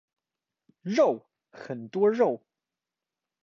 肉！很多肉！